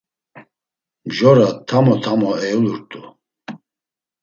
Mjora tamo tamo eulurt̆u.